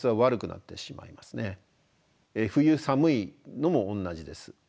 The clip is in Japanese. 冬寒いのも同じです。